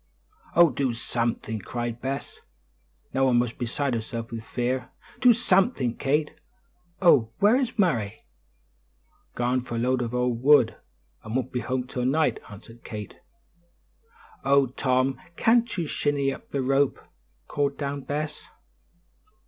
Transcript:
"Oh, do something!" cried Bess, now almost beside herself with fear; "do something, Kate. Oh, where is Murray?" "Garn for a load o' wood, and won't be home till night," answered Kate. "Oh, Tom, can't you shinny up the rope?" called down Bess.